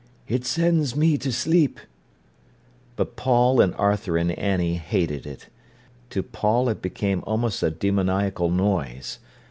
"It sends me to sleep." But Paul and Arthur and Annie hated it. To Paul it became almost a demoniacal noise.